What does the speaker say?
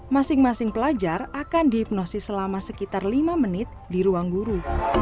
masing masing pelajar akan dihipnosis selama sekitar lima menit di ruang guru